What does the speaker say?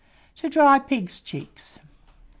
TO DRY PIGS' CHEEKS. 830.